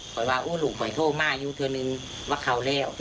คอยว่าโอ้ลูกค่อยโทรมาอยู่เธอนึงว่าเขาแล้ว